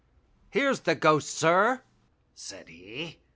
"' Here's the ghost, sir,' said he.